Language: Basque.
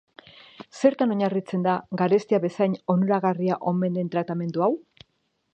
Zertan oinarritzen da garestia bezain onuragarria omen den tratamendu hau?